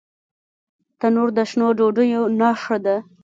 تنور د شنو ډوډیو نښه ده